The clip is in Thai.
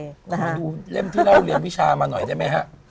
มาดูเล่มที่เล่าเรียนวิชามาหน่อยได้ไหมฮะ